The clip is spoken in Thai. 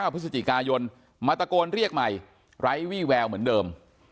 พฤศจิกายนมาตะโกนเรียกใหม่ไร้วี่แววเหมือนเดิม